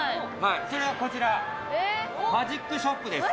それがこちら、マジックショップです。